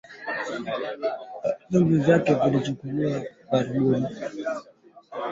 Ambavyo vimesababisha karibu watu laki nne kuuawa katika nchi hiyo changa zaidi duniani